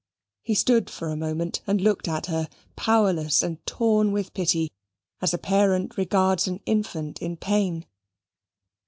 He stood for a moment and looked at her, powerless and torn with pity, as a parent regards an infant in pain.